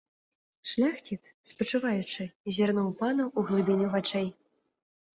Шляхціц, спачуваючы, зірнуў пану ў глыбіню вачэй.